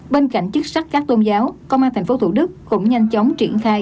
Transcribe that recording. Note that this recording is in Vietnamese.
bên cạnh chức sách các tôn giáo công an tp thủ đức cũng nhanh chóng triển khai